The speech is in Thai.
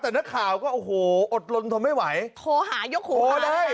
แต่นักข่าวก็โอ้โหอดลนทำไม่ไหวโทรหายกหูฮะนะครับโอ้ได้